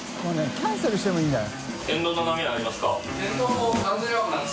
キャンセルしてもいいんだよ。